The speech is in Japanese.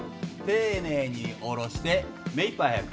丁寧に下ろして目いっぱい速く。